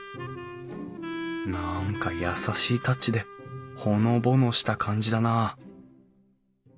何か優しいタッチでほのぼのした感じだなあ